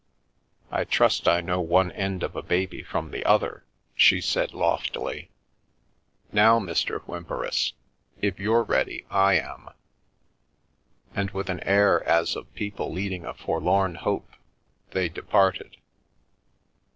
" I trust I know one end of a baby from the other," I It it The Milky Way said she loftily. "Now, Mr. Whymperis, if you're ready, I am/* And with an air as of people leading a forlorn hope they departed.